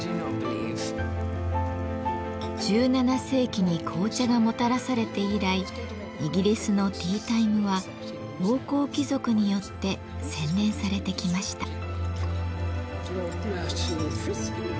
１７世紀に紅茶がもたらされて以来イギリスのティータイムは王侯貴族によって洗練されてきました。